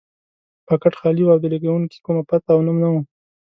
پاکټ خالي و او د لېږونکي کومه پته او نوم نه و.